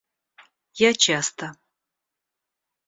Я часто...